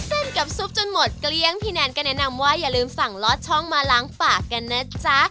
กับซุปจนหมดเกลี้ยงพี่แนนก็แนะนำว่าอย่าลืมสั่งลอดช่องมาล้างฝากกันนะจ๊ะ